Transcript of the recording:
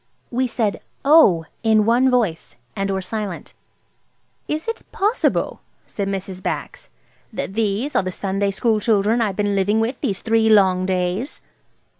We said, "Oh!" in one breath, and were silent. "Is it possible," said Mrs. Bax, "that these are the Sunday school children I've been living with these three long days?"